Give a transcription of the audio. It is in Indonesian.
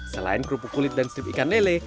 selain kerupuk kulit dan step ikan lele